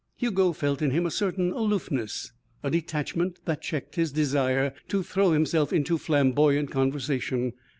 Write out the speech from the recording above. Hugo felt in him a certain aloofness, a detachment that checked his desire to throw himself into flamboyant conversation.